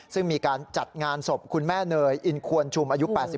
ซึ่งมีการจัดงานศพคุณแม่เนยอินควรชุมอายุ๘๒